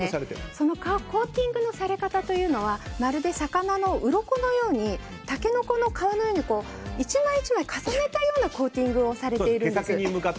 そのコーティングのされ方というのはまるで魚のうろこのようにタケノコの皮のように１枚１枚重ねたようなコーティングをされているんです。